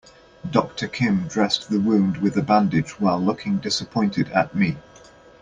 Doctor Kim dressed the wound with a bandage while looking disappointed at me.